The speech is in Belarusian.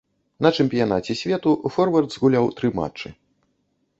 На чэмпіянаце свету форвард згуляў тры матчы.